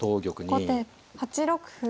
後手８六歩。